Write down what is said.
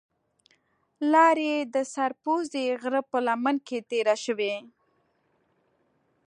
لار یې د سر پوزې غره په لمن کې تېره شوې.